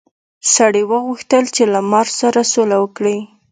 سړي وغوښتل چې له مار سره سوله وکړي.